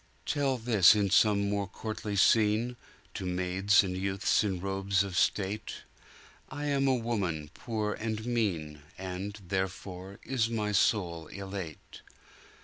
"Tell this in some more courtly scene, To maids and youths in robes of state!I am a woman poor and mean, And, therefore, is my soul elate.